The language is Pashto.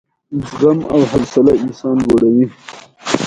دځنګل حاصلات د افغانستان د ولایاتو په کچه توپیر لري.